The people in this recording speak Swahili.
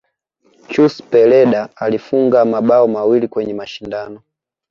Chus pereda alifunga mabao mawili kwenye mashindano